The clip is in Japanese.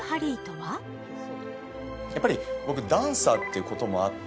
やっぱり僕ダンサーっていうこともあって